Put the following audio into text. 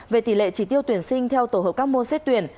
về tỷ lệ chỉ tiêu tuyển sinh theo tổ hợp các môn xét tuyển